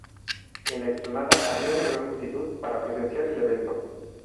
En la explanada había una gran multitud para presenciar el evento.